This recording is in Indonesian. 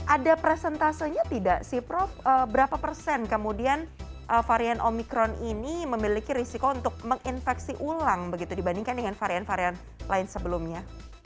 ada presentasenya tidak sih prof berapa persen kemudian varian omikron ini memiliki risiko untuk menginfeksi ulang begitu dibandingkan dengan varian varian lain sebelumnya